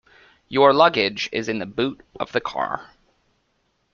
Your luggage is in the boot of the car.